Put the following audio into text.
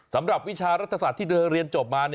วิชารัฐศาสตร์ที่เธอเรียนจบมา